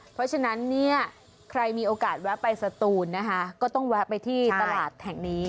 เพราะฉะนั้นเนี่ยใครมีโอกาสแวะไปสตูนนะคะก็ต้องแวะไปที่ตลาดแห่งนี้